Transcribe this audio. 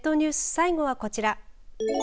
最後はこちら。